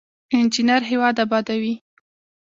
انجینر هیواد ابادوي